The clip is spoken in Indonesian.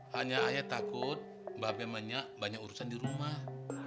hanya ayah takut babi emangnya banyak urusan di rumah